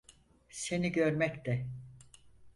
Seni görmek de.